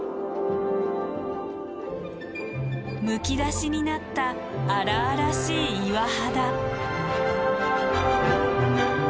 むき出しになった荒々しい岩肌。